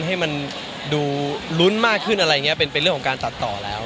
ให้มันดูรุ้นมากขึ้นเป็นเรื่องของการตัดต่อแล้ว